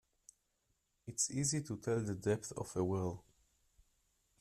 It's easy to tell the depth of a well.